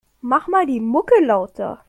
Mach mal die Mucke lauter.